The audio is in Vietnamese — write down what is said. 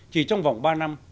chỉ trong vòng ba năm